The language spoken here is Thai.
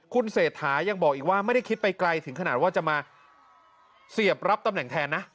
คุณเศรษฐายังบอกอีกว่าไม่ได้คิดไปไกลถึงขนาดว่าจะมาเสียบรับตำแหน่งแทนนะ